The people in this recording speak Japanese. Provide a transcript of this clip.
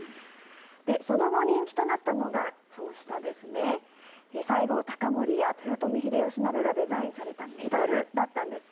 その後、人気となったのがその下、西郷隆盛や豊臣秀吉などがデザインされたメダルだったんです。